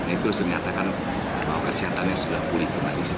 itu menyatakan bahwa kesehatannya sudah pulih